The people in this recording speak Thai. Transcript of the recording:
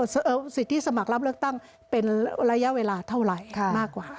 สิทธิสมัครรับเลือกตั้งเป็นระยะเวลาเท่าไหร่มากกว่า